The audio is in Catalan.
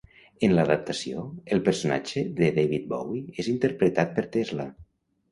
En l'adaptació, el personatge de David Bowie és interpretat per Tesla.